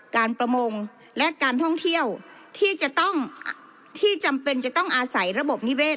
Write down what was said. การประมงและการท่องเที่ยวที่จำเป็นจะต้องอาศัยระบบนิเวศ